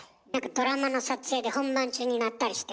ドラマの撮影で本番中に鳴ったりして。